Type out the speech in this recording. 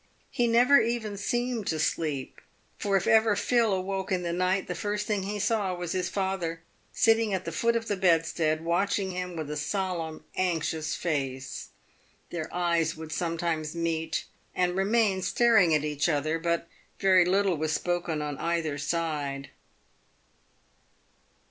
He never even seemed to sleep, for if ever Phil awoke in the night the first thing he saw was his father sitting at the foot of the bedstead, watching him with a solemn, anxious face. Their eyes would sometimes meet, and remain staring at each other, but very little was spoken on either side.